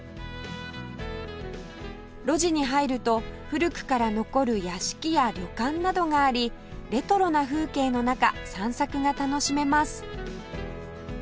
路地に入ると古くから残る屋敷や旅館などがありレトロな風景の中散策が楽しめます